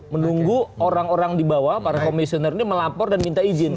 menunggu orang orang di bawah para komisioner ini melapor dan minta izin